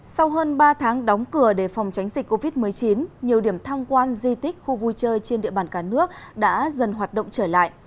sau hơn ba tháng đóng cửa để phòng tránh dịch covid một mươi chín nhiều điểm tham quan di tích khu vui chơi trên địa bàn cả nước đã dần hoạt động trở lại